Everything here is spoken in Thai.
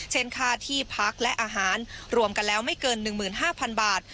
เช่นค่าที่พักและอาหารรวมกันแล้วไม่เกินหนึ่งหมื่นห้าพันบาท